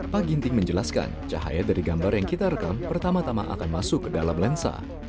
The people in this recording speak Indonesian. pak ginting menjelaskan cahaya dari gambar yang kita rekam pertama tama akan masuk ke dalam lensa